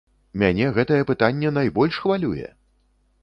Мяне гэтае пытанне найбольш хвалюе!